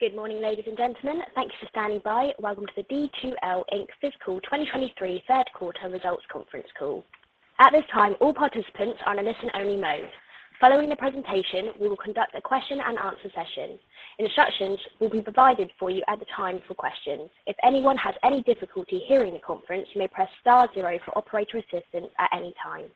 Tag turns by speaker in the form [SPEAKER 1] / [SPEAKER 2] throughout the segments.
[SPEAKER 1] Good morning, ladies and gentlemen. Thank you for standing by. Welcome to the D2L Inc fiscal 2023 third quarter results conference call. At this time, all participants are in a listen-only mode. Following the presentation, we will conduct a question-and-answer session. Instructions will be provided for you at the time for questions. If anyone has any difficulty hearing the conference, you may press star zero for operator assistance at any time.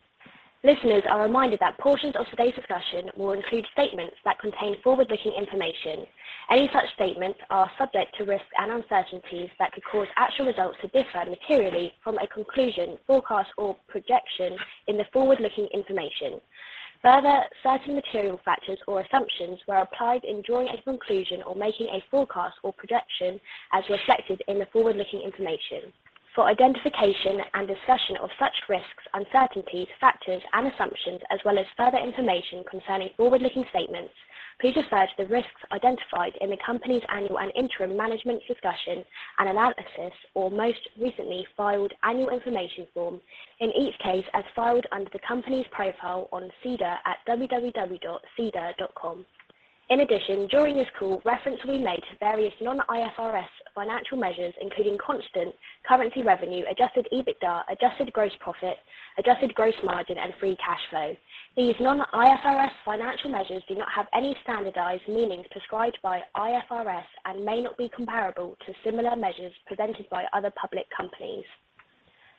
[SPEAKER 1] Listeners are reminded that portions of today's discussion will include statements that contain forward-looking information. Any such statements are subject to risks and uncertainties that could cause actual results to differ materially from a conclusion, forecast, or projection in the forward-looking information. Further, certain material factors or assumptions were applied in drawing a conclusion or making a forecast or projection as reflected in the forward-looking information. For identification and discussion of such risks, uncertainties, factors, and assumptions, as well as further information concerning forward-looking statements, please refer to the risks identified in the company's annual and interim management discussion and analysis or most recently filed annual information form, in each case as filed under the company's profile on SEDAR at www.sedar.com. In addition, during this call, reference will be made to various non-IFRS financial measures, including constant currency revenue, adjusted EBITDA, adjusted gross profit, adjusted gross margin, and free cash flow. These non-IFRS financial measures do not have any standardized meanings prescribed by IFRS and may not be comparable to similar measures presented by other public companies.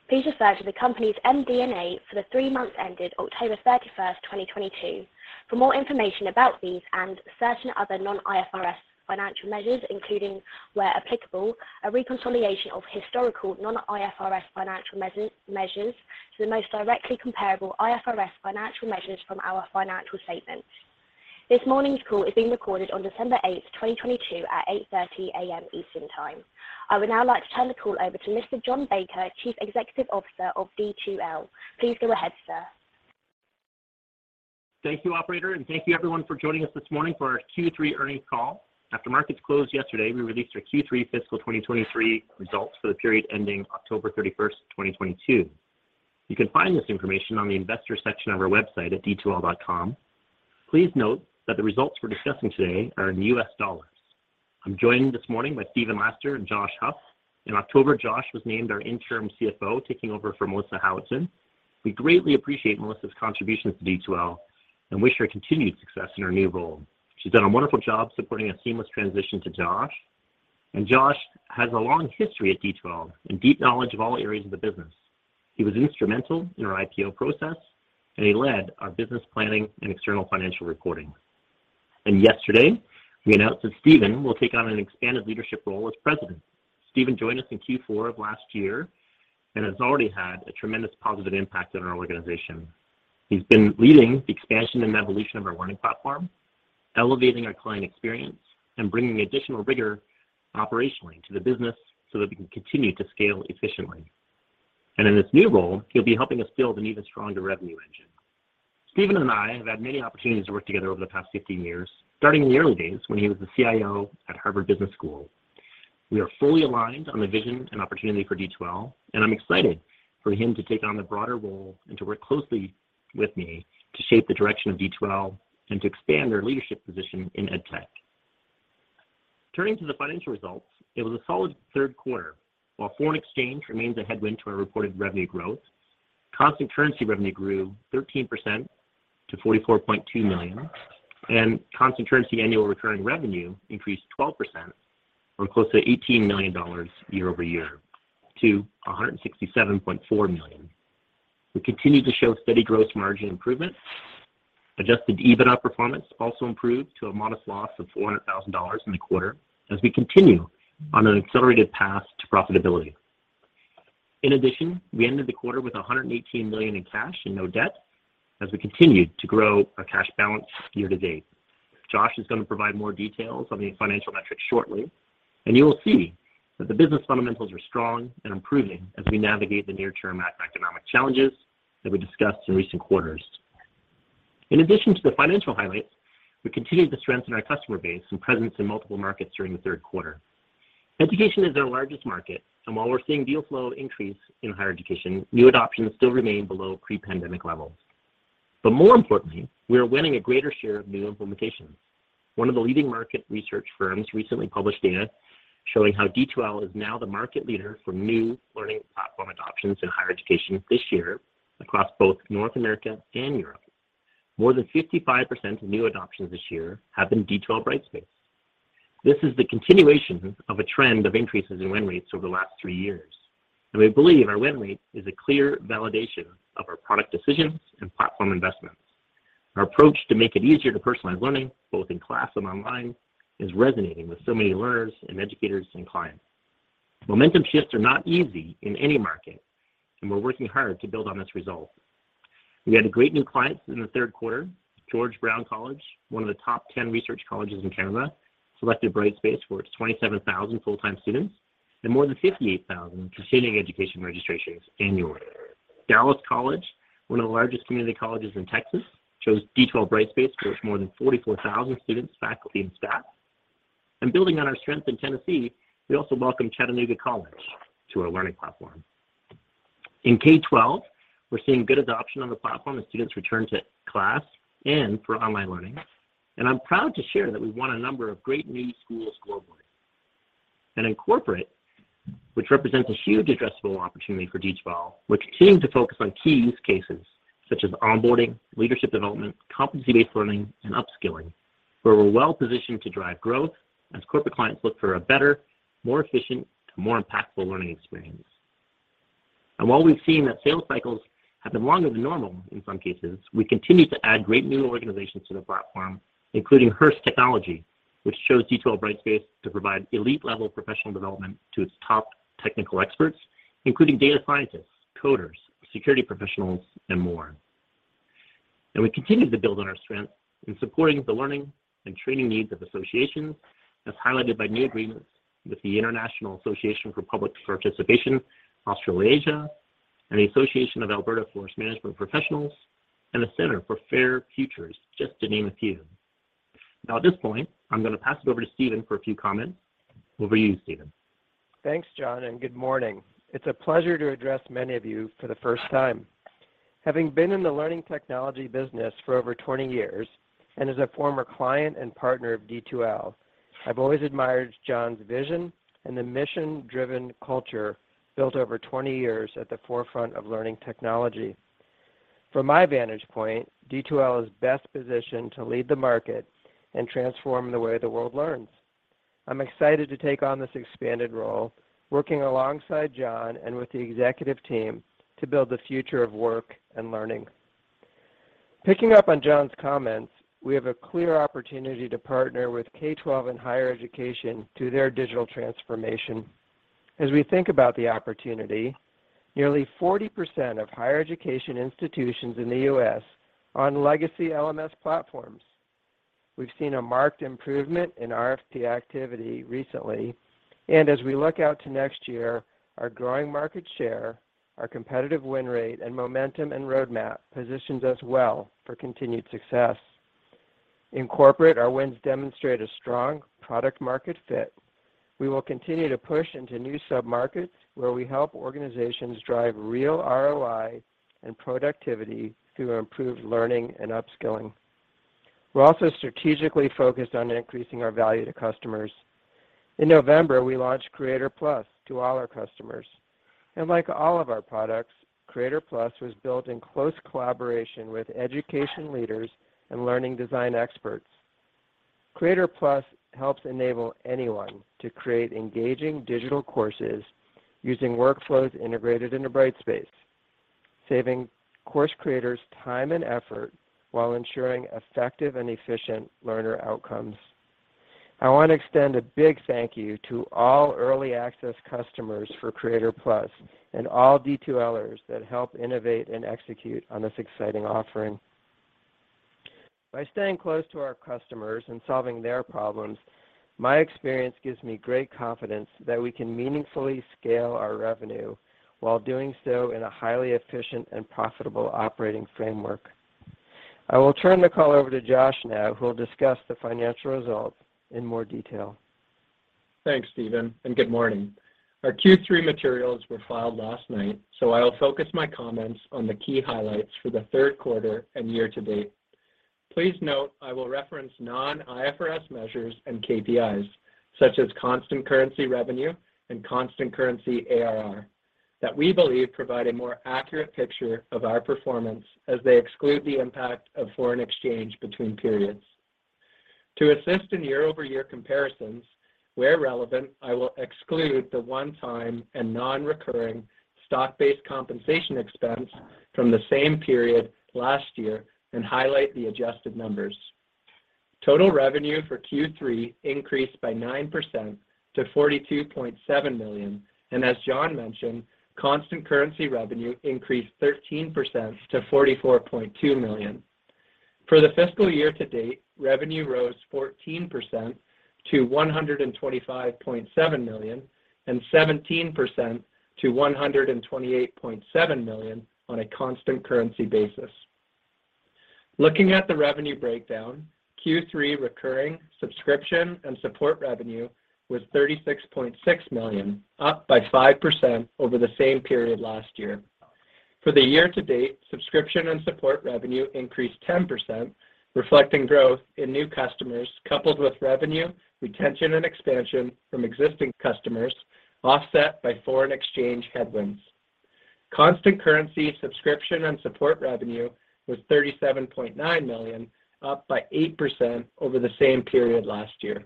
[SPEAKER 1] Please refer to the company's MD&A for the three months ended October 31st, 2022 for more information about these and certain other non-IFRS financial measures, including, where applicable, a reconciliation of historical non-IFRS financial measures to the most directly comparable IFRS financial measures from our financial statements. This morning's call is being recorded on December 8th, 2022 at 8:30 A.M. Eastern Time. I would now like to turn the call over to Mr. John Baker, Chief Executive Officer of D2L. Please go ahead, sir.
[SPEAKER 2] Thank you, Operator. Thank you everyone for joining us this morning for our Q3 earnings call. After markets closed yesterday, we released our Q3 fiscal 2023 results for the period ending October 31st, 2022. You can find this information on the investor section of our website at d2l.com. Please note that the results we're discussing today are in U.S. dollars. I'm joined this morning by Stephen Laster and Josh Huff. In October, Josh was named our Interim CFO, taking over for Melissa Howatson. We greatly appreciate Melissa's contributions to D2L. We wish her continued success in her new role. She's done a wonderful job supporting a seamless transition to Josh. Josh has a long history at D2L and deep knowledge of all areas of the business. He was instrumental in our IPO process. He led our business planning and external financial reporting. Yesterday, we announced that Stephen will take on an expanded leadership role as President. Stephen joined us in Q4 of last year and has already had a tremendous positive impact on our organization. He's been leading the expansion and evolution of our learning platform, elevating our client experience and bringing additional rigor operationally to the business so that we can continue to scale efficiently. In this new role, he'll be helping us build an even stronger revenue engine. Stephen and I have had many opportunities to work together over the past 15 years, starting in the early days when he was the CIO at Harvard Business School. We are fully aligned on the vision and opportunity for D2L. I'm excited for him to take on the broader role and to work closely with me to shape the direction of D2L and to expand our leadership position in EdTech. Turning to the financial results, it was a solid third quarter. While foreign exchange remains a headwind to our reported revenue growth, constant currency revenue grew 13% to $44.2 million, and constant currency annual recurring revenue increased 12% from close to $18 million year-over-year to $167.4 million. We continue to show steady gross margin improvement. Adjusted EBITDA performance also improved to a modest loss of $400,000 in the quarter as we continue on an accelerated path to profitability. In addition, we ended the quarter with $118 million in cash and no debt as we continued to grow our cash balance year-to-date. Josh is going to provide more details on the financial metrics shortly, and you will see that the business fundamentals are strong and improving as we navigate the near-term economic challenges that we discussed in recent quarters. In addition to the financial highlights, we continued to strengthen our customer base and presence in multiple markets during the third quarter. Education is our largest market, and while we're seeing deal flow increase in higher education, new adoptions still remain below pre-pandemic levels. More importantly, we are winning a greater share of new implementations. One of the leading market research firms recently published data showing how D2L is now the market leader for new learning platform adoptions in higher education this year across both North America and Europe. More than 55% of new adoptions this year have been D2L Brightspace. This is the continuation of a trend of increases in win rates over the last three years. We believe our win rate is a clear validation of our product decisions and platform investments. Our approach to make it easier to personalize learning, both in class and online, is resonating with so many learners and educators and clients. Momentum shifts are not easy in any market. We're working hard to build on this result. We had great new clients in the third quarter. George Brown College, one of the top 10 research colleges in Canada, selected Brightspace for its 27,000 full-time students and more than 58,000 continuing education registrations annually. Dallas College, one of the largest community colleges in Texas, chose D2L Brightspace for its more than 44,000 students, faculty, and staff. Building on our strength in Tennessee, we also welcomed Chattanooga College to our learning platform. In K-12, we're seeing good adoption of the platform as students return to class and for online learning. I'm proud to share that we won a number of great new schools globally. In corporate, which represents a huge addressable opportunity for D2L, we're continuing to focus on key use cases such as onboarding, leadership development, competency-based learning, and upskilling, where we're well positioned to drive growth as corporate clients look for a better, more efficient, and more impactful learning experience. While we've seen that sales cycles have been longer than normal in some cases, we continue to add great new organizations to the platform, including Hearst Technology, which chose D2L Brightspace to provide elite-level professional development to its top technical experts, including data scientists, coders, security professionals, and more. We continue to build on our strength in supporting the learning and training needs of associations, as highlighted by new agreements with the International Association for Public Participation Australasia and the Association of Alberta Forest Management Professionals and the Center for Fair Futures, just to name a few. At this point, I'm going to pass it over to Stephen for a few comments. Over to you, Stephen.
[SPEAKER 3] Thanks, John. Good morning. It's a pleasure to address many of you for the first time. Having been in the learning technology business for over 20 years and as a former client and partner of D2L, I've always admired John's vision and the mission-driven culture built over 20 years at the forefront of learning technology. From my vantage point, D2L is best positioned to lead the market and transform the way the world learns. I'm excited to take on this expanded role, working alongside John and with the executive team to build the future of work and learning. Picking up on John's comments, we have a clear opportunity to partner with K-12 and higher education through their digital transformation. As we think about the opportunity, nearly 40% of higher education institutions in the U.S. are on legacy LMS platforms. We've seen a marked improvement in RFP activity recently. As we look out to next year, our growing market share, our competitive win rate, and momentum and roadmap positions us well for continued success. In corporate, our wins demonstrate a strong product market fit. We will continue to push into new sub-markets where we help organizations drive real ROI and productivity through improved learning and upskilling. We're also strategically focused on increasing our value to customers. In November, we launched Creator+ to all our customers. Like all of our products, Creator+ was built in close collaboration with education leaders and learning design experts. Creator+ helps enable anyone to create engaging digital courses using workflows integrated into Brightspace, saving course creators time and effort while ensuring effective and efficient learner outcomes. I want to extend a big thank you to all early access customers for Creator+ and all D2Lers that help innovate and execute on this exciting offering. By staying close to our customers and solving their problems, my experience gives me great confidence that we can meaningfully scale our revenue while doing so in a highly efficient and profitable operating framework. I will turn the call over to Josh now, who will discuss the financial results in more detail.
[SPEAKER 4] Thanks, Stephen. Good morning. Our Q3 materials were filed last night, so I'll focus my comments on the key highlights for the third quarter and year-to-date. Please note I will reference non-IFRS measures and KPIs, such as constant currency revenue and constant currency ARR, that we believe provide a more accurate picture of our performance as they exclude the impact of foreign exchange between periods. To assist in year-over-year comparisons, where relevant, I will exclude the one-time and non-recurring stock-based compensation expense from the same period last year and highlight the adjusted numbers. Total revenue for Q3 increased by 9% to $42.7 million. As John mentioned, constant currency revenue increased 13% to $44.2 million. For the fiscal year-to-date, revenue rose 14% to $125.7 million and 17% to $128.7 million on a constant currency basis. Looking at the revenue breakdown, Q3 recurring subscription and support revenue was $36.6 million, up by 5% over the same period last year. For the year-to-date, subscription and support revenue increased 10%, reflecting growth in new customers coupled with revenue, retention, and expansion from existing customers offset by foreign exchange headwinds. Constant currency subscription and support revenue was $37.9 million, up by 8% over the same period last year.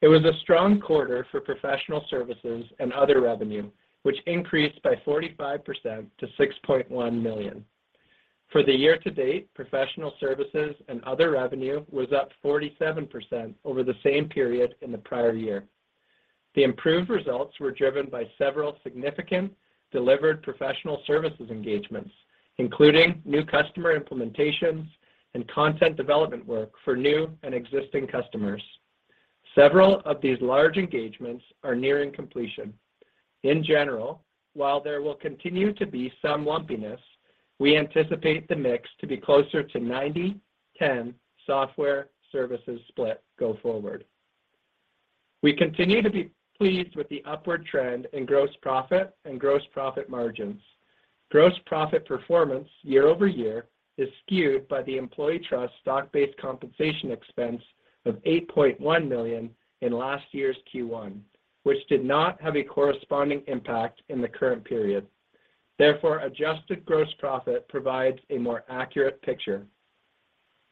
[SPEAKER 4] It was a strong quarter for professional services and other revenue, which increased by 45% to $6.1 million. For the year-to-date, professional services and other revenue was up 47% over the same period in the prior year. The improved results were driven by several significant delivered professional services engagements, including new customer implementations and content development work for new and existing customers. Several of these large engagements are nearing completion. In general, while there will continue to be some lumpiness, we anticipate the mix to be closer to 90/10 software services split go forward. We continue to be pleased with the upward trend in gross profit and gross profit margins. Gross profit performance year-over-year is skewed by the employee trust stock-based compensation expense of $8.1 million in last year's Q1, which did not have a corresponding impact in the current period. Therefore, adjusted gross profit provides a more accurate picture.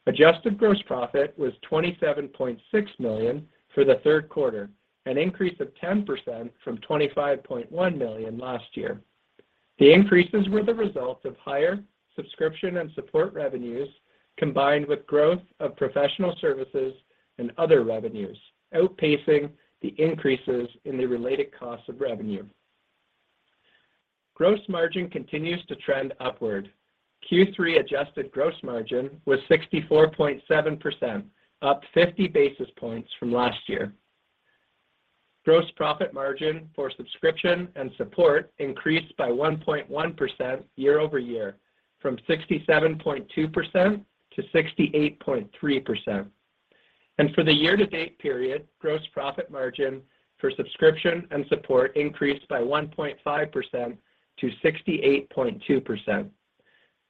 [SPEAKER 4] Adjusted gross profit was $27.6 million for the third quarter, an increase of 10% from $25.1 million last year. The increases were the result of higher subscription and support revenues combined with growth of professional services and other revenues, outpacing the increases in the related cost of revenue. Gross margin continues to trend upward. Q3 adjusted gross margin was 64.7%, up 50 basis points from last year. Gross profit margin for subscription and support increased by 1.1% year-over-year from 67.2% to 68.3%. For the year-to-date period, gross profit margin for subscription and support increased by 1.5% to 68.2%.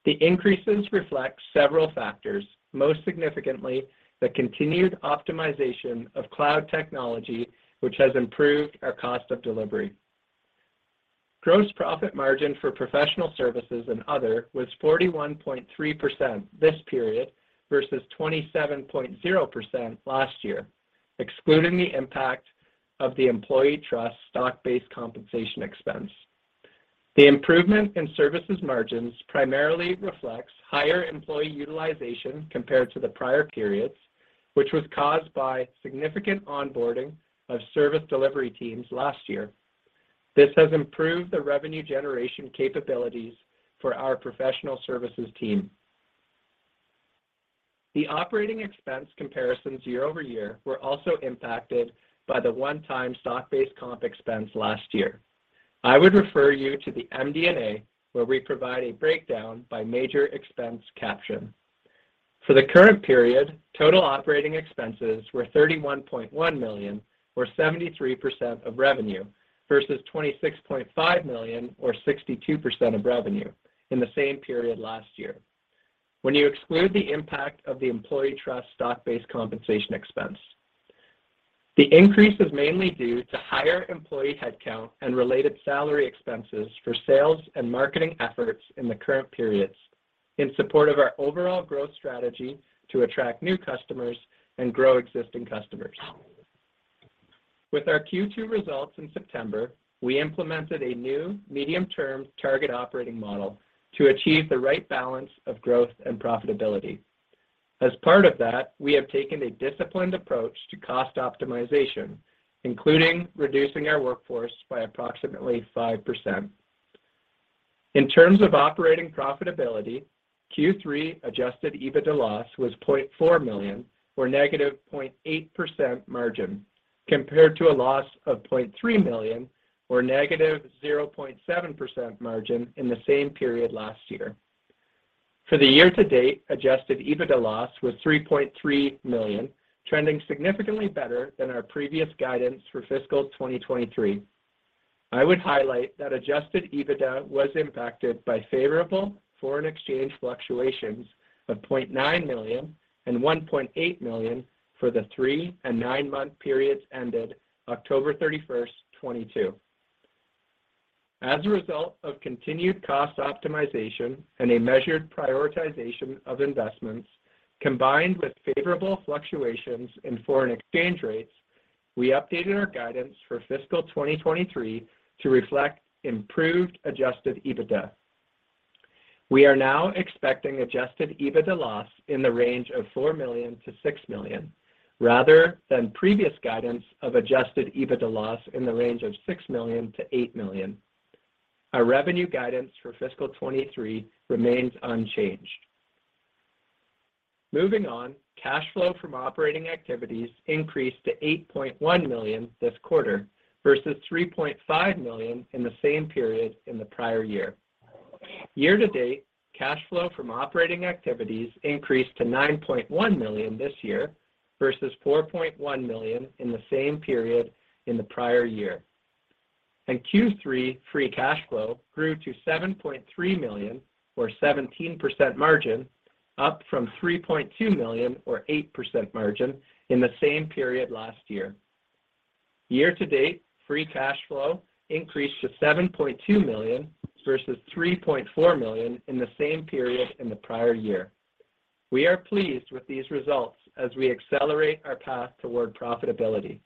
[SPEAKER 4] The increases reflect several factors, most significantly, the continued optimization of cloud technology which has improved our cost of delivery. Gross profit margin for professional services and other was 41.3% this period versus 27.0% last year, excluding the impact of the employee trust stock-based compensation expense. The improvement in services margins primarily reflects higher employee utilization compared to the prior periods, which was caused by significant onboarding of service delivery teams last year. This has improved the revenue generation capabilities for our professional services team. The operating expense comparisons year-over-year were also impacted by the one-time stock-based comp expense last year. I would refer you to the MD&A, where we provide a breakdown by major expense caption. For the current period, total operating expenses were $31.1 million or 73% of revenue versus $26.5 million or 62% of revenue in the same period last year when you exclude the impact of the employee trust stock-based compensation expense. The increase is mainly due to higher employee headcount and related salary expenses for sales and marketing efforts in the current periods in support of our overall growth strategy to attract new customers and grow existing customers. With our Q2 results in September, we implemented a new medium-term target operating model to achieve the right balance of growth and profitability. As part of that, we have taken a disciplined approach to cost optimization, including reducing our workforce by approximately 5%. In terms of operating profitability, Q3 adjusted EBITDA loss was $0.4 million or -0.8% margin, compared to a loss of $0.3 million or -0.7% margin in the same period last year. For the year-to-date, adjusted EBITDA loss was $3.3 million, trending significantly better than our previous guidance for fiscal 2023. I would highlight that adjusted EBITDA was impacted by favorable foreign exchange fluctuations of $0.9 million and $1.8 million for the three and nine-month periods ended October 31st, 2022. As a result of continued cost optimization and a measured prioritization of investments, combined with favorable fluctuations in foreign exchange rates, we updated our guidance for fiscal 2023 to reflect improved adjusted EBITDA. We are now expecting adjusted EBITDA loss in the range of $4 million-$6 million, rather than previous guidance of adjusted EBITDA loss in the range of $6 million-$8 million. Our revenue guidance for fiscal 2023 remains unchanged. Moving on, cash flow from operating activities increased to $8.1 million this quarter versus $3.5 million in the same period in the prior year. Year-to-date, cash flow from operating activities increased to $9.1 million this year versus $4.1 million in the same period in the prior year. Q3 free cash flow grew to $7.3 million or 17% margin, up from $3.2 million or 8% margin in the same period last year. Year-to-date, free cash flow increased to $7.2 million versus $3.4 million in the same period in the prior year. We are pleased with these results as we accelerate our path toward profitability.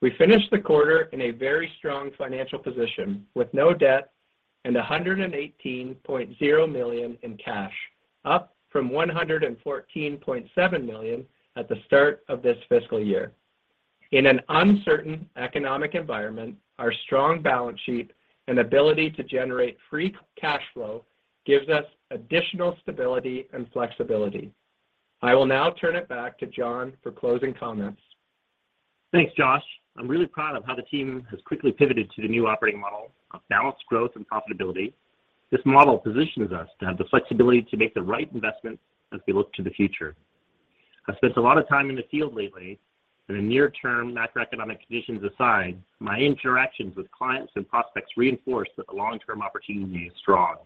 [SPEAKER 4] We finished the quarter in a very strong financial position with no debt and $118.0 million in cash, up from $114.7 million at the start of this fiscal year. In an uncertain economic environment, our strong balance sheet and ability to generate free cash flow gives us additional stability and flexibility. I will now turn it back to John for closing comments.
[SPEAKER 2] Thanks, Josh. I'm really proud of how the team has quickly pivoted to the new operating model of balanced growth and profitability. This model positions us to have the flexibility to make the right investments as we look to the future. I've spent a lot of time in the field lately. In the near term, macroeconomic conditions aside, my interactions with clients and prospects reinforce that the long-term opportunity is strong.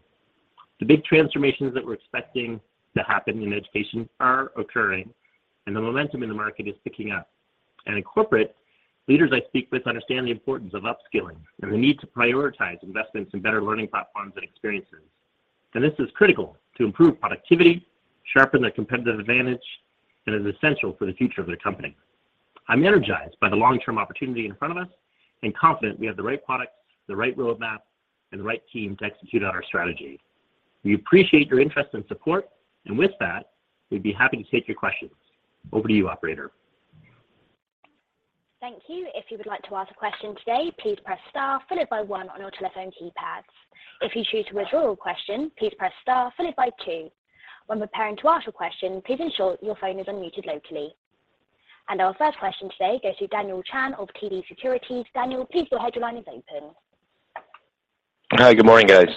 [SPEAKER 2] The big transformations that we're expecting to happen in education are occurring, and the momentum in the market is picking up. In corporate, leaders I speak with understand the importance of upskilling and the need to prioritize investments in better learning platforms and experiences. This is critical to improve productivity, sharpen their competitive advantage, and is essential for the future of their company. I'm energized by the long-term opportunity in front of us and confident we have the right products, the right roadmap, and the right team to execute on our strategy. We appreciate your interest and support, and with that, we'd be happy to take your questions. Over to you, Operator.
[SPEAKER 1] Thank you. If you would like to ask a question today, please press star followed by one on your telephone keypads. If you choose to withdraw a question, please press star followed by two. When preparing to ask a question, please ensure your phone is unmuted locally. Our first question today goes to Daniel Chan of TD Securities. Daniel, please go ahead. Your line is open.
[SPEAKER 5] Hi. Good morning, guys.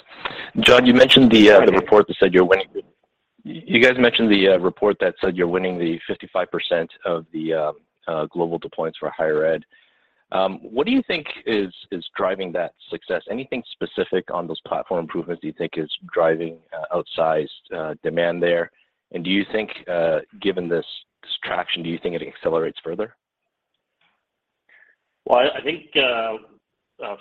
[SPEAKER 5] You guys mentioned the report that said you're winning the 55% of the global deployments for higher ed. What do you think is driving that success? Anything specific on those platform improvements do you think is driving outsized demand there? Do you think, given this traction, do you think it accelerates further?
[SPEAKER 2] I think,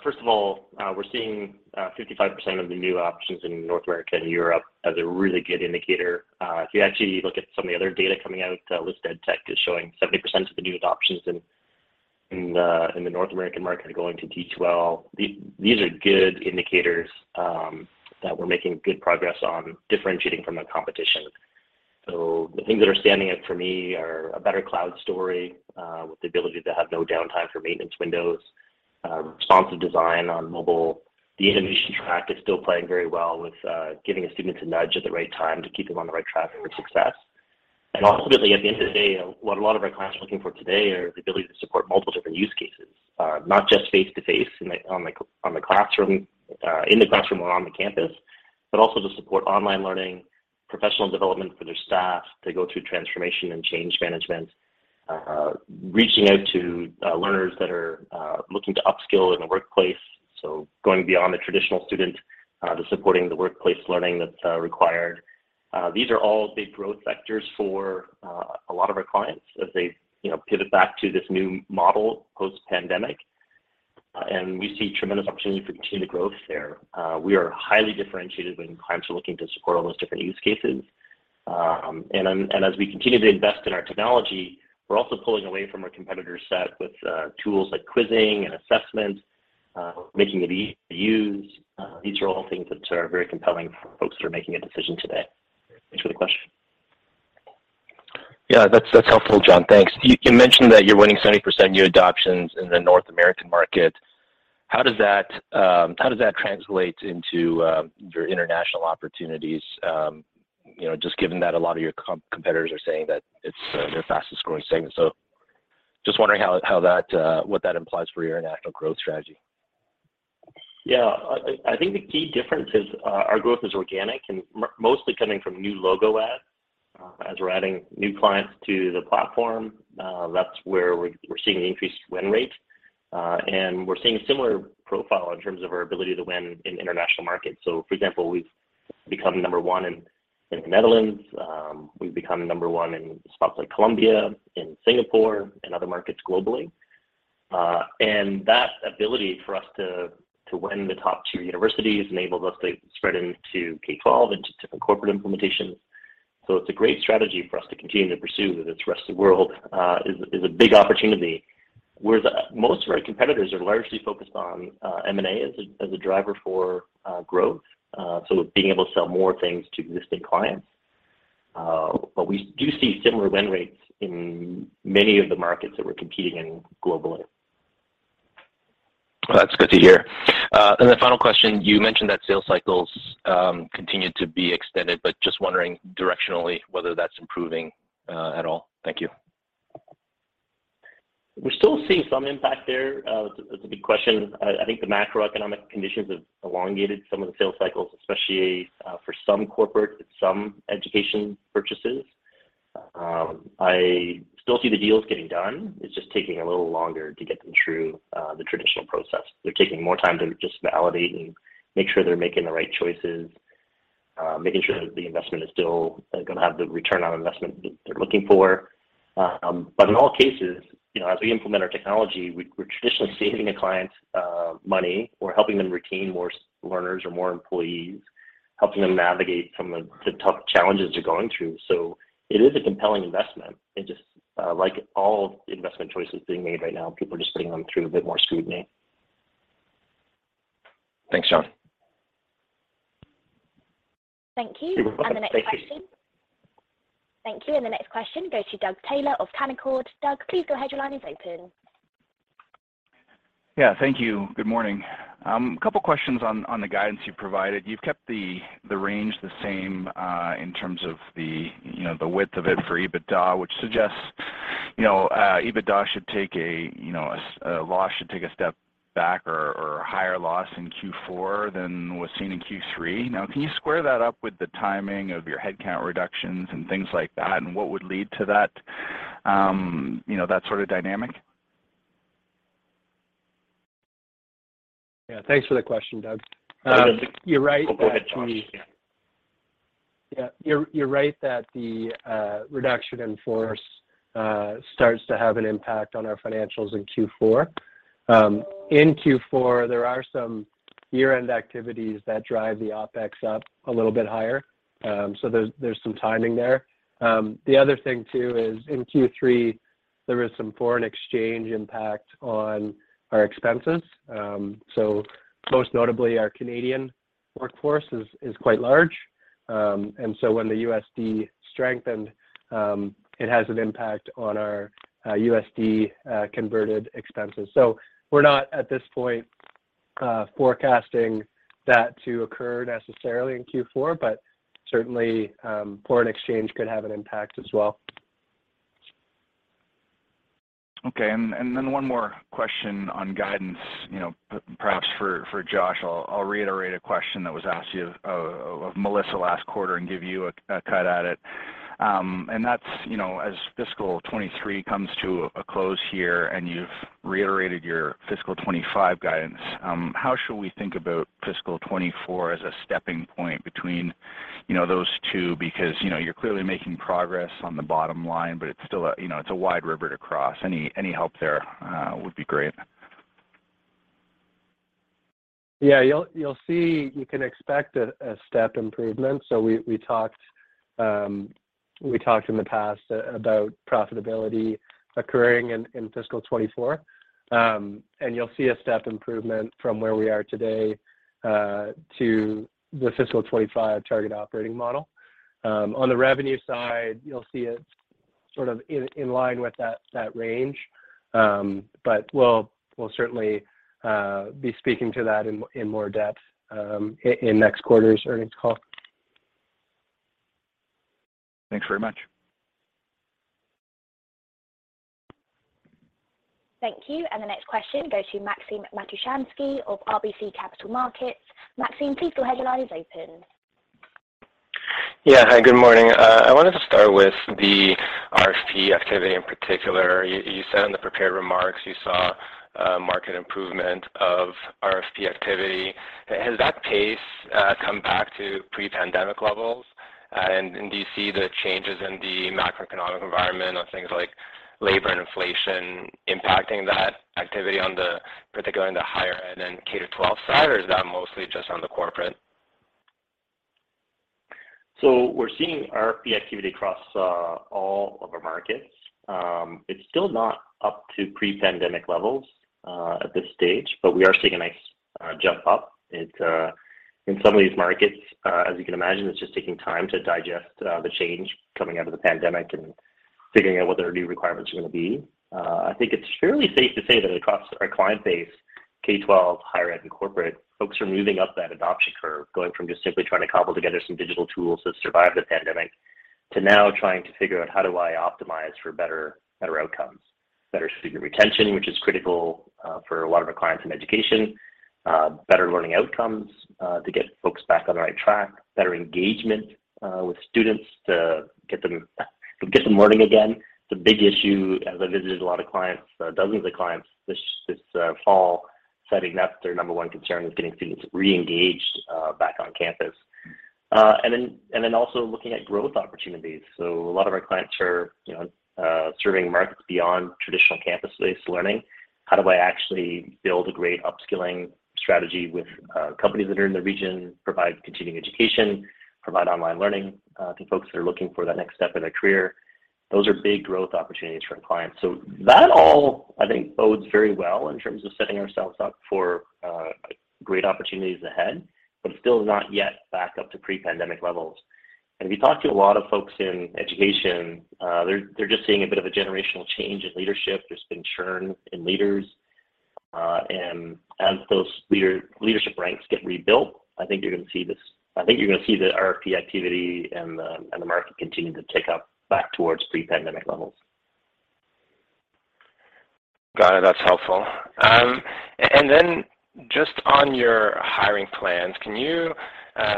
[SPEAKER 2] first of all, we're seeing 55% of the new options in North America and Europe as a really good indicator. If you actually look at some of the other data coming out with EdTech is showing 70% of the new adoptions in the North American market are going to D2L. These are good indicators that we're making good progress on differentiating from the competition. The things that are standing out for me are a better cloud story with the ability to have no downtime for maintenance windows, responsive design on mobile. The animation track is still playing very well with giving a student a nudge at the right time to keep them on the right track for success. Ultimately, at the end of the day, what a lot of our clients are looking for today are the ability to support multiple different use cases. Not just face-to-face in the classroom or on the campus, but also to support online learning, professional development for their staff to go through transformation and change management. Reaching out to learners that are looking to upskill in the workplace, so going beyond the traditional student, to supporting the workplace learning that's required. These are all big growth sectors for a lot of our clients as they, you know, pivot back to this new model post-pandemic, and we see tremendous opportunity for continued growth there. We are highly differentiated when clients are looking to support all those different use cases. As we continue to invest in our technology, we're also pulling away from our competitor set with tools like quizzing and assessment, making it easy to use. These are all things that are very compelling for folks that are making a decision today. Thanks for the question.
[SPEAKER 5] Yeah, that's helpful, John. Thanks. You mentioned that you're winning 70% new adoptions in the North American market. How does that translate into your international opportunities? You know, just given that a lot of your competitors are saying that it's their fastest-growing segment. Just wondering how that what that implies for your international growth strategy.
[SPEAKER 2] Yeah. I think the key difference is, our growth is organic and mostly coming from new logo ads. As we're adding new clients to the platform, that's where we're seeing an increased win rate. We're seeing similar profile in terms of our ability to win in international markets. For example, we've become number one in the Netherlands. We've become number one in spots like Colombia, in Singapore and other markets globally. That ability for us to win the top two universities enabled us to spread into K-12 into different corporate implementations. It's a great strategy for us to continue to pursue with the rest of the world, is a big opportunity, where most of our competitors are largely focused on M&A as a driver for growth, so being able to sell more things to existing clients. We do see similar win rates in many of the markets that we're competing in globally.
[SPEAKER 5] That's good to hear. Final question, you mentioned that sales cycles continue to be extended, but just wondering directionally whether that's improving at all. Thank you.
[SPEAKER 2] We're still seeing some impact there. That's a good question. I think the macroeconomic conditions have elongated some of the sales cycles, especially for some corporate and some education purchases. I still see the deals getting done. It's just taking a little longer to get them through the traditional process. They're taking more time to just validate and make sure they're making the right choices, making sure that the investment is still gonna have the return on investment that they're looking for. In all cases, you know, as we implement our technology, we're traditionally saving a client money. We're helping them retain more learners or more employees, helping them navigate some of the tough challenges they're going through. It is a compelling investment. Just, like all investment choices being made right now, people are just putting them through a bit more scrutiny.
[SPEAKER 5] Thanks, John.
[SPEAKER 1] Thank you.
[SPEAKER 5] You're welcome. Thank you.
[SPEAKER 1] The next question. Thank you. The next question goes to Doug Taylor of Canaccord. Doug, please go ahead. Your line is open.
[SPEAKER 6] Thank you. Good morning. Couple questions on the guidance you've provided. You've kept the range the same, in terms of the, you know, the width of it for EBITDA, which suggests, you know, EBITDA should take a loss should take a step back or a higher loss in Q4 than was seen in Q3. Can you square that up with the timing of your headcount reductions and things like that, and what would lead to that, you know, that sort of dynamic?
[SPEAKER 4] Thanks for the question, Doug. You're right that.
[SPEAKER 6] Oh, go ahead Josh. Yeah.
[SPEAKER 4] Yeah. You're, you're right that the reduction in force starts to have an impact on our financials in Q4. In Q4, there are some year-end activities that drive the OpEx up a little bit higher. There's, there's some timing there. The other thing too is in Q3 there is some foreign exchange impact on our expenses. Most notably our Canadian workforce is quite large. When the USD strengthened, it has an impact on our USD converted expenses. We're not at this point forecasting that to occur necessarily in Q4, but certainly, foreign exchange could have an impact as well.
[SPEAKER 6] Okay. One more question on guidance, you know, perhaps for Josh. I'll reiterate a question that was asked to you of Melissa last quarter and give you a cut at it. That's, you know, as fiscal 2023 comes to a close here and you've reiterated your fiscal 2025 guidance, how should we think about fiscal 2024 as a stepping point between, you know, those two? Because, you know, you're clearly making progress on the bottom line, but it's still a, you know, it's a wide river to cross. Any help there would be great.
[SPEAKER 4] Yeah. You'll see, you can expect a step improvement. We talked in the past about profitability occurring in fiscal 2024. And you'll see a step improvement from where we are today to the fiscal 2025 target operating model. On the revenue side, you'll see it sort of in line with that range. We'll certainly be speaking to that in more depth in next quarter's earnings call.
[SPEAKER 6] Thanks very much.
[SPEAKER 1] Thank you. The next question goes to Maxim Matushansky of RBC Capital Markets. Maxim, please go ahead. Your line is open.
[SPEAKER 7] Yeah, hi, good morning. I wanted to start with the RFP activity in particular. You said in the prepared remarks you saw market improvement of RFP activity. Has that pace come back to pre-pandemic levels? Do you see the changes in the macroeconomic environment on things like labor and inflation impacting that activity particularly in the higher ed and K-12 side, or is that mostly just on the corporate?
[SPEAKER 2] We're seeing RFP activity across all of our markets. It's still not up to pre-pandemic levels at this stage, but we are seeing a nice jump up. It's in some of these markets, as you can imagine, it's just taking time to digest the change coming out of the pandemic and figuring out what their new requirements are gonna be. I think it's fairly safe to say that across our client base, K-12, higher ed, and corporate, folks are moving up that adoption curve, going from just simply trying to cobble together some digital tools to survive the pandemic to now trying to figure out how do I optimize for better outcomes, better student retention, which is critical for a lot of our clients in education. Better learning outcomes to get folks back on the right track. Better engagement with students to get them learning again. It's a big issue as I visited a lot of clients, dozens of clients this fall, citing that their number one concern is getting students re-engaged back on campus. Also looking at growth opportunities. A lot of our clients are, you know, serving markets beyond traditional campus-based learning. How do I actually build a great upskilling strategy with companies that are in the region, provide continuing education, provide online learning to folks that are looking for that next step in their career? Those are big growth opportunities for our clients. That all, I think, bodes very well in terms of setting ourselves up for great opportunities ahead, but still not yet back up to pre-pandemic levels. If you talk to a lot of folks in education, they're just seeing a bit of a generational change in leadership. There's been churn in leaders. As those leadership ranks get rebuilt, I think you're gonna see this. I think you're gonna see the RFP activity and the market continue to tick up back towards pre-pandemic levels.
[SPEAKER 7] Got it. That's helpful. Just on your hiring plans, can you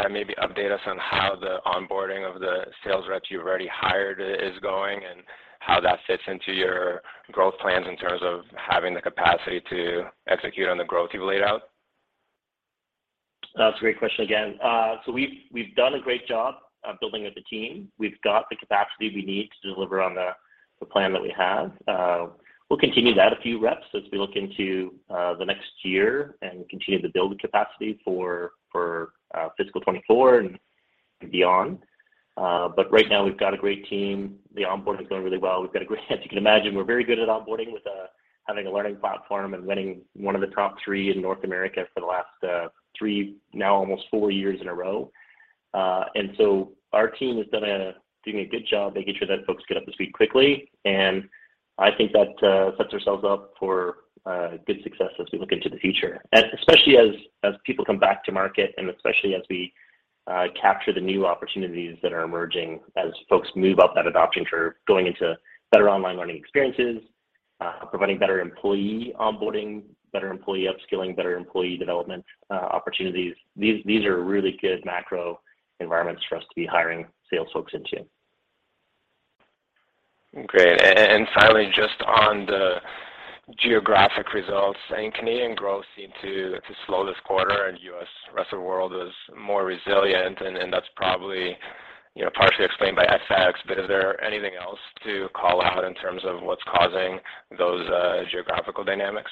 [SPEAKER 7] maybe update us on how the onboarding of the sales reps you've already hired is going, and how that fits into your growth plans in terms of having the capacity to execute on the growth you've laid out?
[SPEAKER 2] That's a great question again. We've done a great job of building out the team. We've got the capacity we need to deliver on the plan that we have. We'll continue to add a few reps as we look into the next year and continue to build the capacity for fiscal 2024 and beyond. Right now we've got a great team. The onboarding's going really well. We've got a great. As you can imagine, we're very good at onboarding with having a learning platform and winning one of the top three in North America for the last three, now almost four years in a row. Our team has done a good job making sure that folks get up to speed quickly. I think that sets ourselves up for good success as we look into the future. Especially as people come back to market and especially as we capture the new opportunities that are emerging as folks move up that adoption curve, going into better online learning experiences, providing better employee onboarding, better employee upskilling, better employee development opportunities. These are really good macro environments for us to be hiring sales folks into.
[SPEAKER 7] Great. Finally, just on the geographic results. I think Canadian growth seemed to slow this quarter, and U.S., rest of the world was more resilient and that's probably, you know, partially explained by FX. Is there anything else to call out in terms of what's causing those geographical dynamics?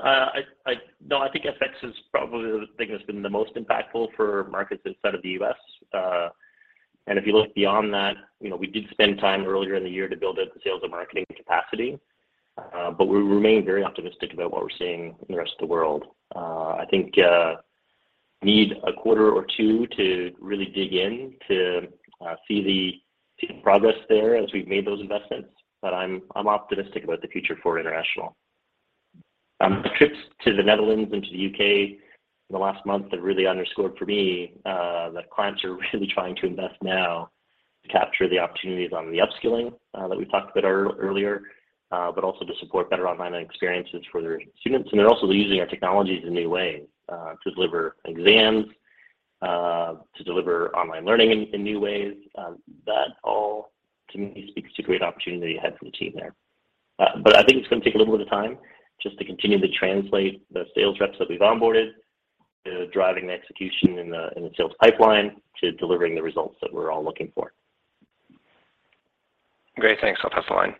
[SPEAKER 2] No, I think FX is probably the thing that's been the most impactful for markets outside of the U.S. If you look beyond that, you know, we did spend time earlier in the year to build out the sales and marketing capacity, but we remain very optimistic about what we're seeing in the rest of the world. I think need a quarter or two to really dig in to see the progress there as we've made those investments. I'm optimistic about the future for international. Trips to the Netherlands and to the U.K. in the last month have really underscored for me, that clients are really trying to invest now to capture the opportunities on the upskilling that we talked about earlier, but also to support better online experiences for their students. They're also using our technologies in new ways, to deliver exams, to deliver online learning in new ways. That all to me speaks to great opportunity ahead for the team there. I think it's gonna take a little bit of time just to continue to translate the sales reps that we've onboarded to driving the execution in the sales pipeline to delivering the results that we're all looking for.
[SPEAKER 7] Great. Thanks. I'll pass the line.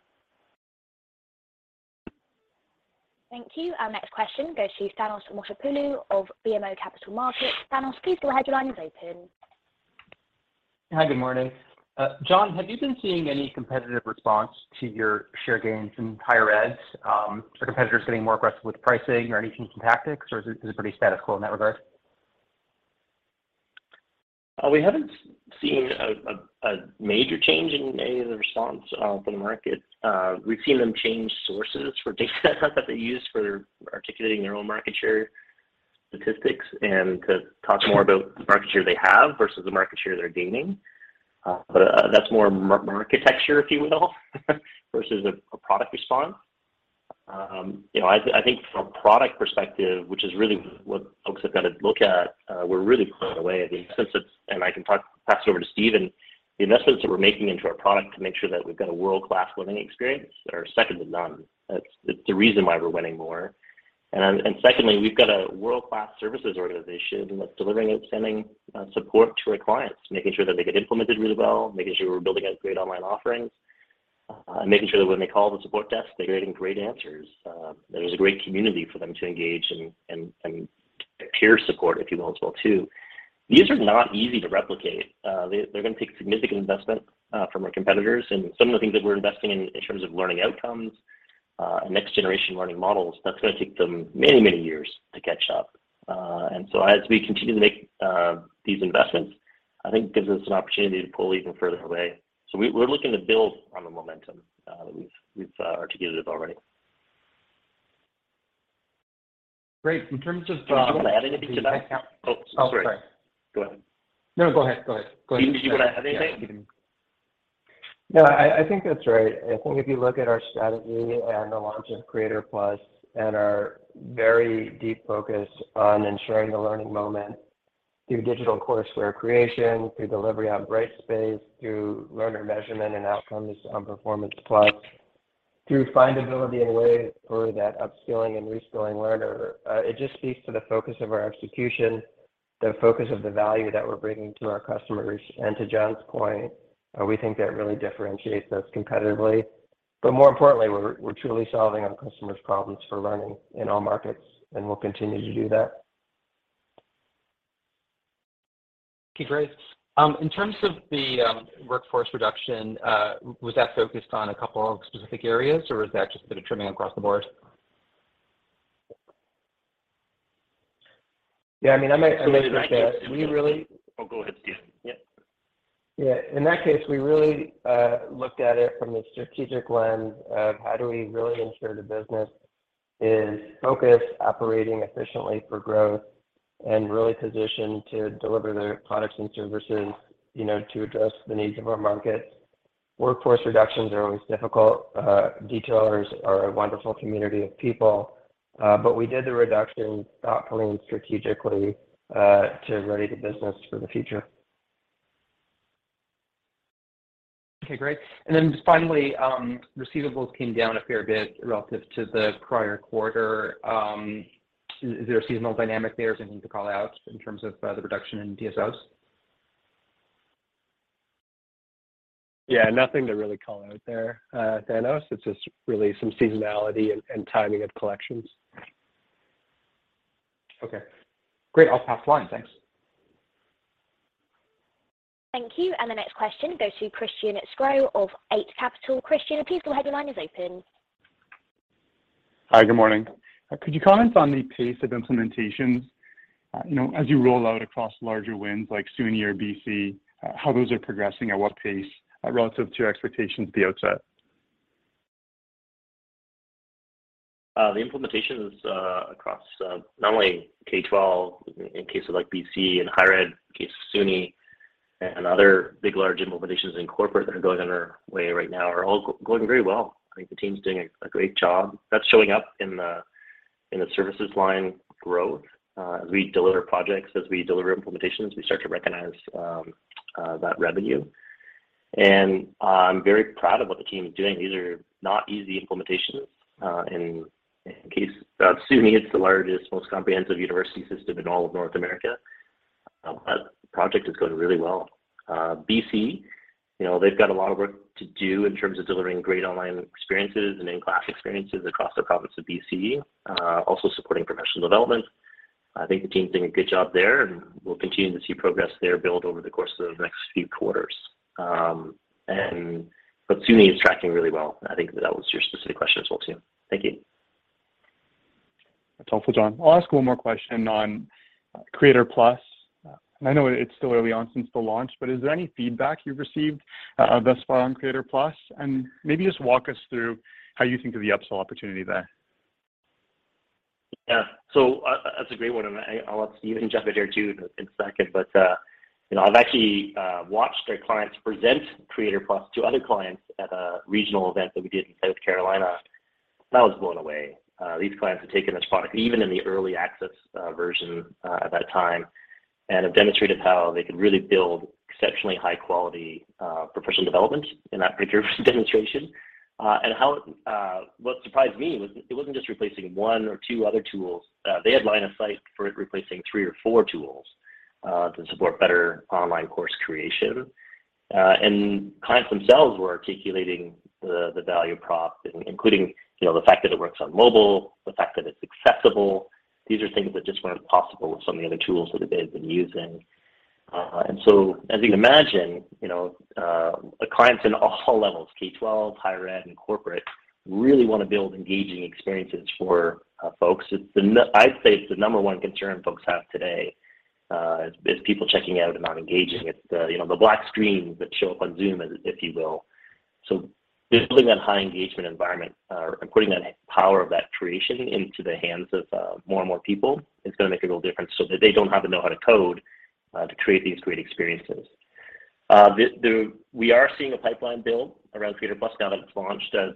[SPEAKER 1] Thank you. Our next question goes to Thanos Moschopoulos of BMO Capital Markets. Thanos, please go ahead. Your line is open.
[SPEAKER 8] Hi. Good morning. John, have you been seeing any competitive response to your share gains in higher ed? Are competitors getting more aggressive with pricing or anything from tactics, or is it pretty status quo in that regard?
[SPEAKER 2] We haven't seen a major change in any of the response from the market. We've seen them change sources for data that they use for articulating their own market share statistics and to talk more about market share they have versus the market share they're gaining. That's more market texture, if you will, versus a product response. You know, I think from a product perspective, which is really what folks have got to look at, we're really pulling away at the extensive... I can talk, pass it over to Stephen and the investments that we're making into our product to make sure that we've got a world-class learning experience that are second to none. That's the reason why we're winning more. Secondly, we've got a world-class services organization that's delivering outstanding support to our clients, making sure that they get implemented really well, making sure we're building out great online offerings, and making sure that when they call the support desk, they're getting great answers. There's a great community for them to engage and peer support, if you will, as well too. These are not easy to replicate. They're gonna take significant investment from our competitors. Some of the things that we're investing in terms of learning outcomes, and next generation learning models, that's gonna take them many, many years to catch up. As we continue to make these investments, I think gives us an opportunity to pull even further away. We're looking to build on the momentum that we've articulated already.
[SPEAKER 8] Great.
[SPEAKER 2] Stephen, do you want to add anything to that?
[SPEAKER 8] Oh, sorry.
[SPEAKER 2] Oh, sorry. Go ahead.
[SPEAKER 8] No, go ahead. Go ahead. Go ahead.
[SPEAKER 2] Stephen, did you wanna add anything?
[SPEAKER 3] Yeah. I think that's right. I think if you look at our strategy and the launch of Creator+ and our very deep focus on ensuring the learning moment through digital courseware creation, through delivery on Brightspace, through learner measurement and outcomes on Performance+, through findability and ways for that upskilling and reskilling learner, it just speaks to the focus of our execution, the focus of the value that we're bringing to our customers. To John's point, we think that really differentiates us competitively. More importantly, we're truly solving our customers' problems for learning in all markets, and we'll continue to do that.
[SPEAKER 8] Okay, great. In terms of the workforce reduction, was that focused on a couple of specific areas, or was that just a bit of trimming across the board?
[SPEAKER 3] Yeah, I mean, I might add to that. We.
[SPEAKER 2] Oh, go ahead, Stephen.
[SPEAKER 3] Yeah. Yeah. In that case, we really looked at it from the strategic lens of how do we really ensure the business is focused, operating efficiently for growth, and really positioned to deliver the products and services, you know, to address the needs of our markets. Workforce reductions are always difficult. D2Lers are a wonderful community of people, but we did the reduction thoughtfully and strategically, to ready the business for the future.
[SPEAKER 8] Okay, great. Then just finally, receivables came down a fair bit relative to the prior quarter. Is there a seasonal dynamic there or something to call out in terms of the reduction in DSO?
[SPEAKER 3] Yeah, nothing to really call out there, Thanos. It's just really some seasonality and timing of collections.
[SPEAKER 8] Okay. Great. I'll pass the line. Thanks.
[SPEAKER 1] Thank you. The next question goes to Christian Sgro of Eight Capital. Christian, please go ahead. Your line is open.
[SPEAKER 9] Hi, good morning. Could you comment on the pace of implementations, you know, as you roll out across larger wins like SUNY or BC, how those are progressing, at what pace, relative to your expectations at the outset?
[SPEAKER 2] The implementations across not only K-12 in cases like BC and higher ed in the case of SUNY and other big, large implementations in corporate that are going on our way right now are all going very well. I think the team's doing a great job. That's showing up in the services line growth. As we deliver projects, as we deliver implementations, we start to recognize that revenue. I'm very proud of what the team is doing. These are not easy implementations. In case SUNY, it's the largest, most comprehensive university system in all of North America. That project is going really well. BC, you know, they've got a lot of work to do in terms of delivering great online experiences and in-class experiences across the province of BC, also supporting professional development. I think the team's doing a good job there, and we'll continue to see progress there build over the course of the next few quarters. SUNY is tracking really well. I think that was your specific question as well, too. Thank you.
[SPEAKER 9] That's helpful, John. I'll ask one more question on Creator+. I know it's still early on since the launch, but is there any feedback you've received, thus far on Creator+? Maybe just walk us through how you think of the upsell opportunity there.
[SPEAKER 2] That's a great one, and I'll let Stephen jump in here, too, in a second. I've actually watched our clients present Creator+ to other clients at a regional event that we did in South Carolina. I was blown away. These clients had taken this product even in the early access version at that time and have demonstrated how they could really build exceptionally high quality professional development in that particular demonstration. And how, what surprised me was it wasn't just replacing one or two other tools. They had line of sight for it replacing three or four tools to support better online course creation. And clients themselves were articulating the value prop, including, you know, the fact that it works on mobile, the fact that it's accessible. These are things that just weren't possible with some of the other tools that they had been using. As you can imagine, you know, the clients in all levels, K-12, higher ed, and corporate, really wanna build engaging experiences for folks. I'd say it's the number one concern folks have today, is people checking out and not engaging. It's the, you know, the black screens that show up on Zoom, if you will. Building that high engagement environment, and putting that power of that creation into the hands of more and more people is gonna make a real difference so that they don't have to know how to code, to create these great experiences. We are seeing a pipeline build around Creator+ now that it's launched as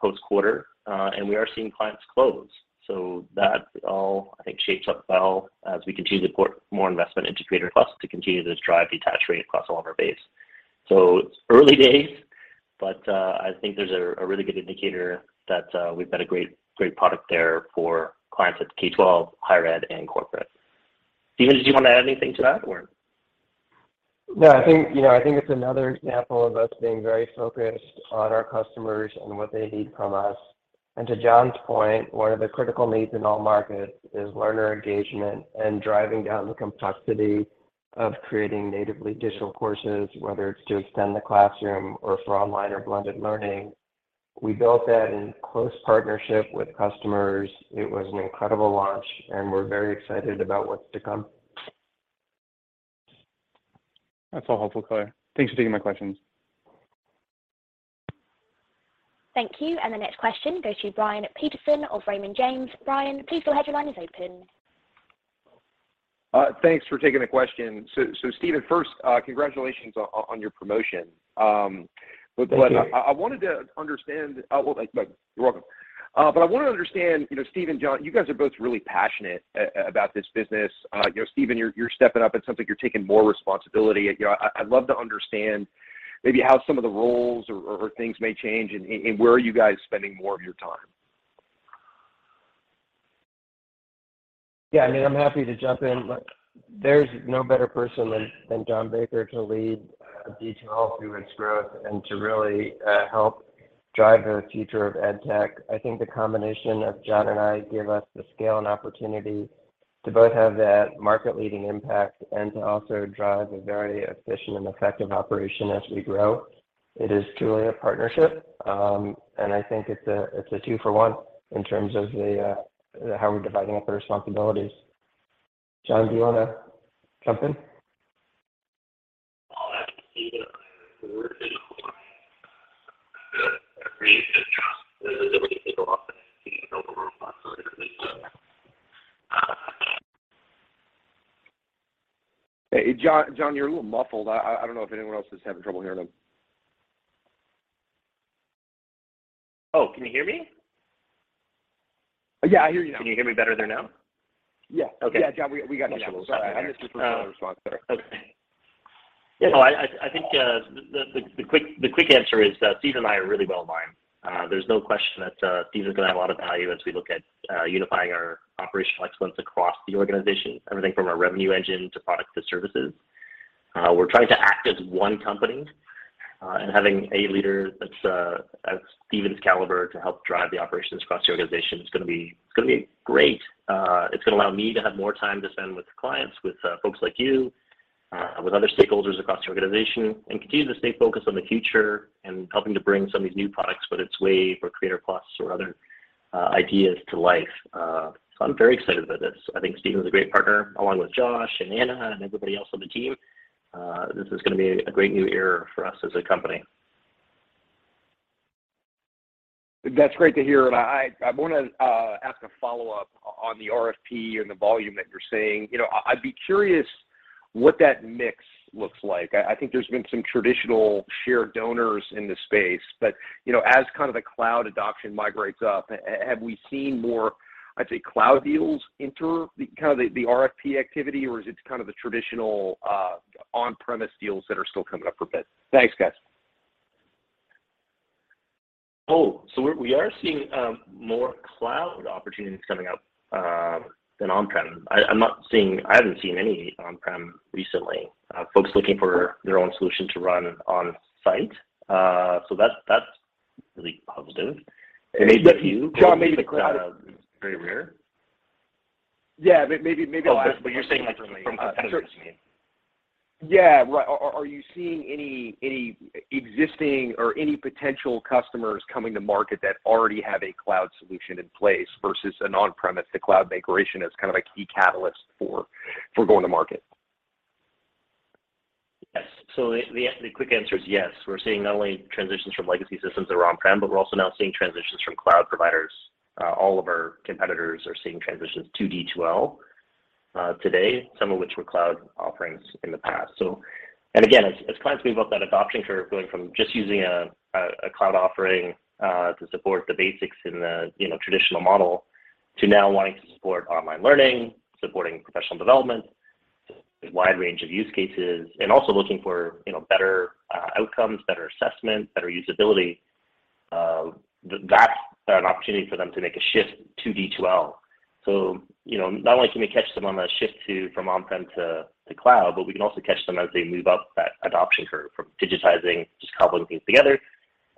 [SPEAKER 2] post-quarter. We are seeing clients close. That all, I think, shapes up well as we continue to put more investment into Creator+ to continue to drive detach rate across all of our base. It's early days, but I think there's a really good indicator that we've got a great product there for clients at K-12, higher ed, and corporate. Stephen, did you want to add anything to that or?
[SPEAKER 3] No, I think, you know, I think it's another example of us being very focused on our customers and what they need from us. To John's point, one of the critical needs in all markets is learner engagement and driving down the complexity of creating natively digital courses, whether it's to extend the classroom or for online or blended learning. We built that in close partnership with customers. It was an incredible launch, and we're very excited about what's to come.
[SPEAKER 9] That's all helpful, clear. Thanks for taking my questions.
[SPEAKER 1] Thank you. The next question goes to Brian Peterson of Raymond James. Brian, please go ahead. Your line is open.
[SPEAKER 10] Thanks for taking the question. Stephen first, congratulations on your promotion.
[SPEAKER 3] Thank you.
[SPEAKER 10] I wanted to understand. Well, like, You're welcome. I wanna understand, you know, Stephen and John, you guys are both really passionate about this business. You know, Stephen, you're stepping up. It's something you're taking more responsibility. You know, I'd love to understand maybe how some of the roles or things may change, and where are you guys spending more of your time?
[SPEAKER 3] I mean, I'm happy to jump in. There's no better person than John Baker to lead D2L through its growth and to really help drive the future of EdTech. I think the combination of John and I give us the scale and opportunity to both have that market-leading impact and to also drive a very efficient and effective operation as we grow. It is truly a partnership, and I think it's a two for one in terms of how we're dividing up our responsibilities. John, do you wanna jump in?
[SPEAKER 2] I'll add to Stephen. We're in alignment. Stephen and I have the ability to go off and execute with a lot of autonomy.
[SPEAKER 10] Hey, John, you're a little muffled. I don't know if anyone else is having trouble hearing him.
[SPEAKER 2] Oh, can you hear me?
[SPEAKER 10] Yeah, I hear you now.
[SPEAKER 2] Can you hear me better there now?
[SPEAKER 10] Yeah.
[SPEAKER 2] Okay.
[SPEAKER 10] Yeah, John, we got you. I missed your first little response there.
[SPEAKER 2] Okay. Yeah, no, I, I think the quick answer is that Stephen and I are really well aligned. There's no question that Stephen is gonna add a lot of value as we look at unifying our operational excellence across the organization, everything from our revenue engine to product to services. We're trying to act as one company. Having a leader that's of Stephen's caliber to help drive the operations across the organization, it's gonna be great. It's gonna allow me to have more time to spend with the clients, with folks like you, with other stakeholders across the organization, and continue to stay focused on the future and helping to bring some of these new products, whether it's Wave or Creator+ or other ideas to life. I'm very excited about this. I think Stephen's a great partner, along with Josh and Anna and everybody else on the team. This is gonna be a great new era for us as a company.
[SPEAKER 10] That's great to hear. I wanna ask a follow-up on the RFP and the volume that you're seeing. You know, I'd be curious what that mix looks like. I think there's been some traditional shared donors in the space, but, you know, as kind of the cloud adoption migrates up, have we seen more, I'd say, cloud deals enter the kind of the RFP activity, or is it kind of the traditional on-premise deals that are still coming up for bid? Thanks, guys.
[SPEAKER 2] We are seeing more cloud opportunities coming up than on-prem. I haven't seen any on-prem recently, folks looking for their own solution to run on site. That's, that's really positive.
[SPEAKER 10] Maybe, John,
[SPEAKER 2] Very rare.
[SPEAKER 10] Yeah. Maybe.
[SPEAKER 2] Oh, you're saying like from competitors you mean?
[SPEAKER 10] Yeah. Right. Are you seeing any existing or any potential customers coming to market that already have a cloud solution in place versus an on-premise, the cloud migration as kind of a key catalyst for going to market?
[SPEAKER 2] Yes. The quick answer is yes. We're seeing not only transitions from legacy systems that are on-prem, but we're also now seeing transitions from cloud providers. All of our competitors are seeing transitions to D2L, today, some of which were cloud offerings in the past. Again, as clients move up that adoption curve, going from just using a cloud offering, to support the basics in the, you know, traditional model to now wanting to support online learning, supporting professional development, a wide range of use cases, and also looking for, you know, better outcomes, better assessment, better usability, that's an opportunity for them to make a shift to D2L. You know, not only can we catch them on that shift from on-prem to cloud, but we can also catch them as they move up that adoption curve from digitizing, just cobbling things together,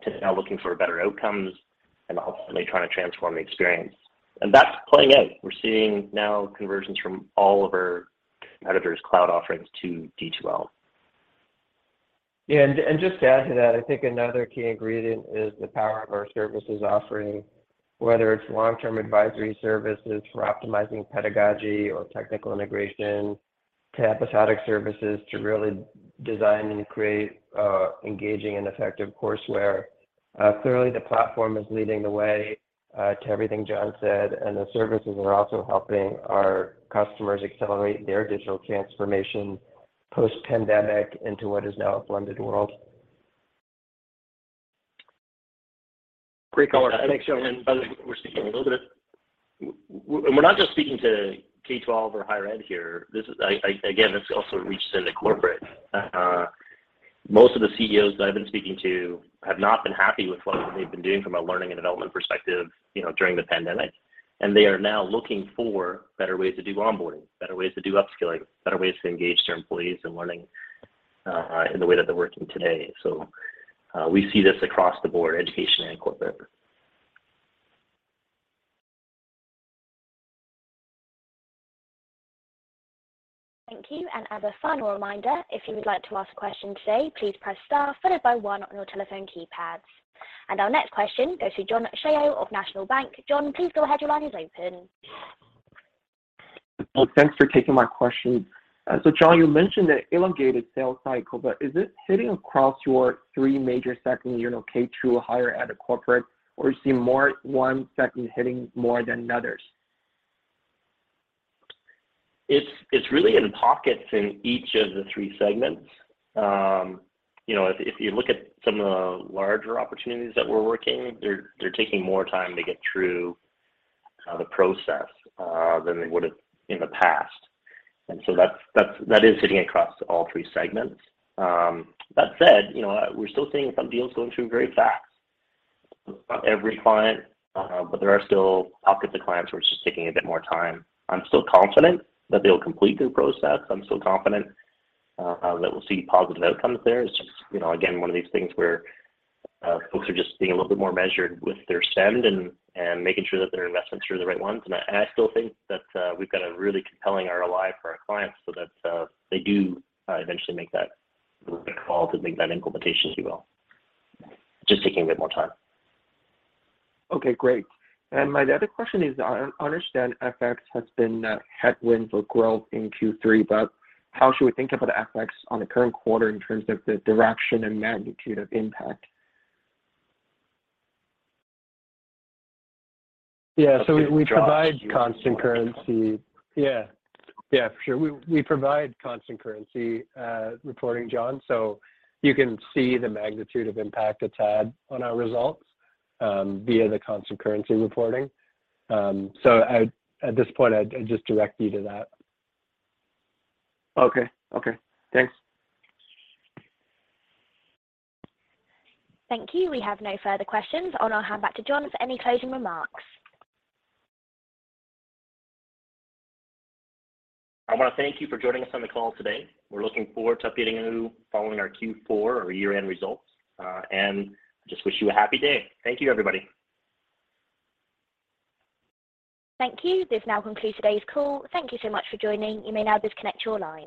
[SPEAKER 2] to now looking for better outcomes and ultimately trying to transform the experience. That's playing out. We're seeing now conversions from all of our competitors' cloud offerings to D2L.
[SPEAKER 3] Just to add to that, I think another key ingredient is the power of our services offering, whether it's long-term advisory services for optimizing pedagogy or technical integration, to episodic services to really design and create engaging and effective courseware. Clearly the platform is leading the way to everything John said, and the services are also helping our customers accelerate their digital transformation post-pandemic into what is now a blended world.
[SPEAKER 10] Great call. Thanks, John.
[SPEAKER 2] By the way, we're speaking a little bit. We're not just speaking to K-12 or higher ed here. This is. Again, this also reaches into corporate. Most of the CEOs that I've been speaking to have not been happy with what they've been doing from a learning and development perspective, you know, during the pandemic, and they are now looking for better ways to do onboarding, better ways to do upskilling, better ways to engage their employees in learning, in the way that they're working today. We see this across the board, education and corporate.
[SPEAKER 1] Thank you. As a final reminder, if you would like to ask a question today, please press star followed by one on your telephone keypads. Our next question goes to John Shao of National Bank. John, please go ahead. Your line is open.
[SPEAKER 11] Well, thanks for taking my question. John, you mentioned the elongated sales cycle, is it hitting across your three major segments, you know, K through higher ed and corporate, or are you seeing more one segment hitting more than others?
[SPEAKER 2] It's really in pockets in each of the three segments. you know, if you look at some of the larger opportunities that we're working, they're taking more time to get through the process than they would've in the past. So that's, that is hitting across all three segments. That said, you know, we're still seeing some deals going through very fast. Not every client, but there are still pockets of clients where it's just taking a bit more time. I'm still confident that they'll complete their process. I'm still confident that we'll see positive outcomes there. It's just, you know, again, one of these things where folks are just being a little bit more measured with their spend and making sure that their investments are the right ones. I still think that, we've got a really compelling ROI for our clients so that, they do, eventually make that call to make that implementation, if you will. Just taking a bit more time.
[SPEAKER 11] Okay, great. My other question is, I understand FX has been a headwind for growth in Q3. How should we think about FX on the current quarter in terms of the direction and magnitude of impact?
[SPEAKER 3] Yeah. We provide constant currency. Yeah. Yeah, for sure. We provide constant currency reporting, John, so you can see the magnitude of impact it's had on our results via the constant currency reporting. At this point, I'd just direct you to that.
[SPEAKER 11] Okay. Okay. Thanks.
[SPEAKER 1] Thank you. We have no further questions. I'll now hand back to John for any closing remarks.
[SPEAKER 2] I want to thank you for joining us on the call today. We're looking forward to updating you following our Q4 or year-end results. Just wish you a happy day. Thank you, everybody.
[SPEAKER 1] Thank you. This now concludes today's call. Thank you so much for joining. You may now disconnect your lines.